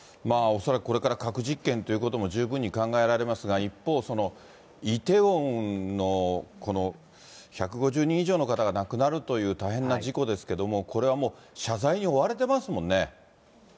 恐らくこれから核実験ということも十分に考えられますが、一方、イテウォンの１５０人以上の方が亡くなるという大変な事故ですけれども、これはもう、謝罪に追われてますもんね。